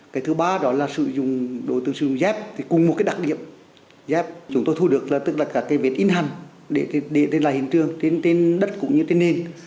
cái thứ ba đó là sử dụng đối tượng sử dụng dép thì cùng một cái đặc điểm dép chúng tôi thu được là tức là cả cái vết in hành để tên là hình trường tên đất cũng như tên nền